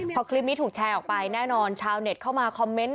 พอคลิปนี้ถูกแชร์ออกไปแน่นอนชาวเน็ตเข้ามาคอมเมนต์